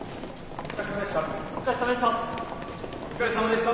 ・お疲れさまでした。